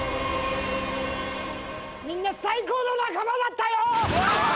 みんな最高の仲間だったよ